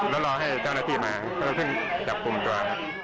แล้วรอให้เจ้าหน้าที่มาเพิ่งจับปุ่มตัว